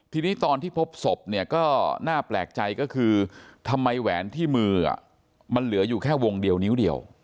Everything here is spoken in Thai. ทีนี้ตอนที่พบศพเนี่ยก็น่าแปลกใจก็คือทำไมแหวนที่มือมันเหลืออยู่แค่วงเดียวนิ้วเดียว